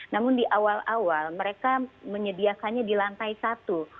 namun di awal awal mereka menyediakannya di lantai satu